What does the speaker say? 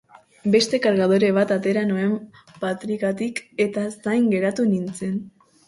Beste kargadore bat atera nuen patrikatik eta zain geratu nintzen.